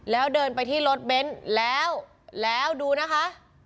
แล้วเดินไปที่รถเบนท์แล้วแล้วดูนะคะ